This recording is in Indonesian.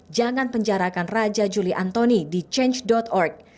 jangan penjarakan raja juli antoni di change org